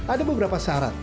ada beberapa syarat